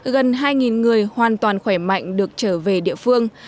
gần hai người hoàn toàn khỏe mạnh được trở về địa phương